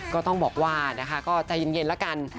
ก็ต้องบอกว่านะคะก็ใจเย็นแล้วกัน